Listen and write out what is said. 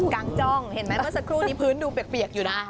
งจ้องเห็นไหมเมื่อสักครู่นี้พื้นดูเปียกอยู่นะ